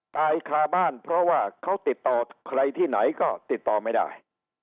ตายคาบ้านเพราะว่าเขาติดต่อใครที่ไหนก็ติดต่อไม่ได้